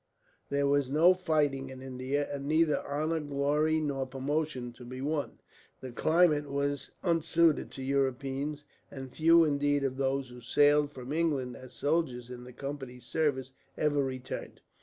There was no fighting in India, and neither honor, glory, nor promotion to be won. The climate was unsuited to Europeans, and few, indeed, of those who sailed from England as soldiers in the Company's service ever returned.